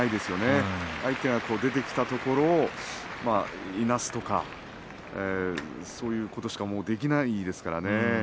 相手が出てきたところをいなすとかそういうことしかできませんよね。